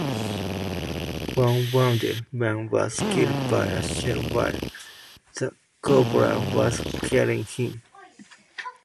One wounded man was killed by a shell while the corporal was carrying him.